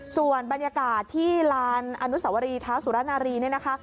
ส่วนบรรยากาศที่ลานอนุสวรีเท้าสุรนารีเนี่ยนะคะ